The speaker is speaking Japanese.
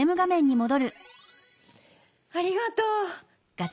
ありがとう。